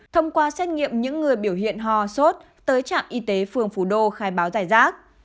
thông qua xét nghiệm những người biểu hiện ho sốt tới trạm y tế phường phú đô khai báo giải rác